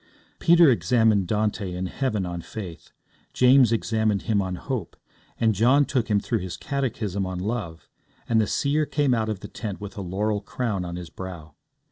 Peter examined Dante in heaven on faith, James examined him on hope, and John took him through his catechism on love, and the seer came out of the tent with a laurel crown on his brow.